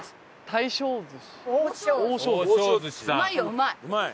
うまい？